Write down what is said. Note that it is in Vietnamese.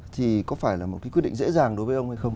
thì có phải là một cái quyết định dễ dàng đối với ông hay không